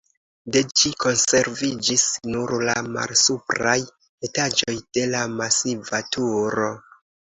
De ĝi konserviĝis nur la malsupraj etaĝoj de la masiva turo.